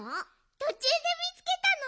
とちゅうでみつけたの。